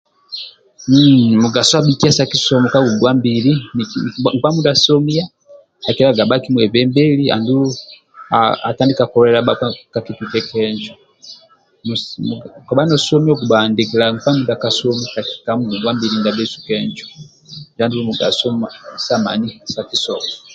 Mugaso abhikiya sa kisomo ka ngongwambili nkpa mindia somiyo akikilaga ndiye bhaki mwebembeli andulu atandika kolelela bhakpa ka kitwike kenjo kobha nosomi oku muhandikilya nkpa ka ngongwambili kenjo injo andulu mugaso sa sa mani sa kisomo